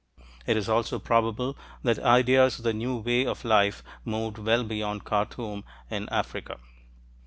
It is also probable that ideas of the new way of life moved well beyond Khartoum in Africa.